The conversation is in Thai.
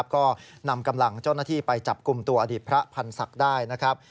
ก็นำกำลังเจ้าหน้าที่ไปจับกลุ่มตัวอดีตพระพันธ์ศักดิ์ได้นะครับ